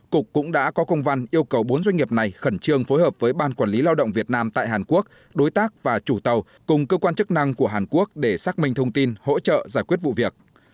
cục cũng đã có công văn yêu cầu bốn doanh nghiệp này khẩn trương phối hợp với ban quản lý lao động việt nam tại hàn quốc đối tác và chủ tàu cùng cơ quan chức năng của hàn quốc để xác minh thông tin hỗ trợ giải quyết vụ việc